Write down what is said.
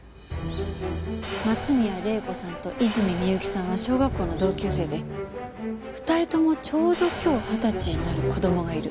松宮玲子さんと泉美由紀さんは小学校の同級生で２人ともちょうど今日二十歳になる子供がいる。